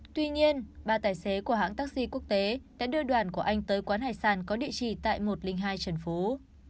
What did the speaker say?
tuy nhiên ba tài xế của hãng taxi quốc tế đã đưa đoàn của anh tới quán hải sản có địa chỉ tại một trăm linh hai trần phú